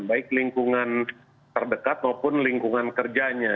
baik lingkungan terdekat maupun lingkungan kerjanya